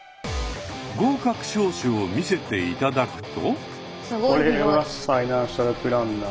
合格証書を見せて頂くと。